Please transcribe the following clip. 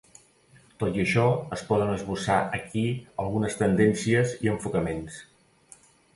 Tot i això, es poden esbossar aquí algunes tendències i enfocaments.